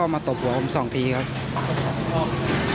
ไม่รู้สึกเหมือนกับผม